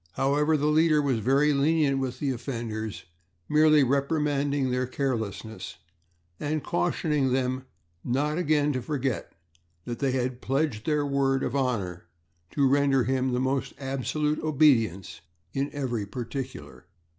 However, the leader was very lenient with the offenders, merely reprimanding their carelessness and cautioning them not again to forget that they had pledged their word of honor to render him the most absolute obedience in every particular.